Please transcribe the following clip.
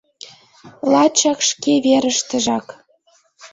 Лачак шке верыштыжак.